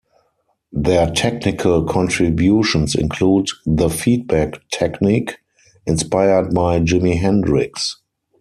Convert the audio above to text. Their technical contributions include the 'feedback' technique, inspired by Jimi Hendrix.